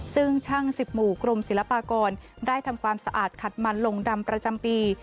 ซึ่งช่าง๑๐หมู่กรมศิลปากรได้ทำความสะอาดขัดมันลงดำประจำปี